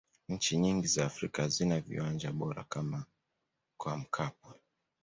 nchi nyingi za afrika hazina viwanja bora kama kwa mkapa